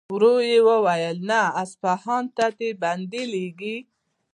ورو يې وويل: نه! اصفهان ته دې بندې لېږي.